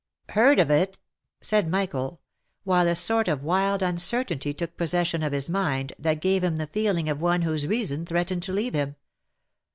" Heard of it?" said Michael, while a sort of wild uncertainty took possession of his mind, that gave him the feeling of one whose reason threatened to leave him.